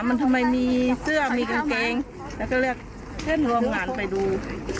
มันทำไมมีเสื้อมีกางเกงแล้วก็เรียกเพื่อนร่วมงานไปดู